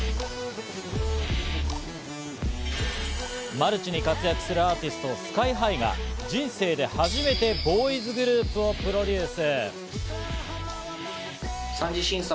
マルチに活躍するアーティスト、ＳＫＹ−ＨＩが人生で初めてボーイズグループをプロデュース。